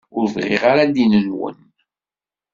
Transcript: Ur bɣiɣ ara ddin-nwen.